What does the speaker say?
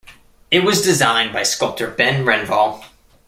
It was designed by sculptor Ben Renvall.